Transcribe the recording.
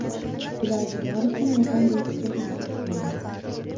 Iloji boricha, yordam berishga harakat qilamiz.